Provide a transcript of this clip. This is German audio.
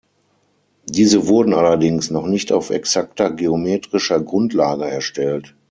Diese wurden allerdings noch nicht auf exakter geometrischer Grundlage erstellt.